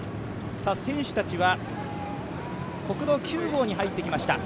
選手たちは国道９号に入ってきました。